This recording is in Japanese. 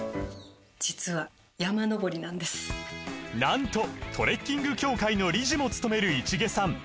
実はなんとトレッキング協会の理事もつとめる市毛さん